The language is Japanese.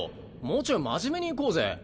もうちょい真面目にいこうぜ。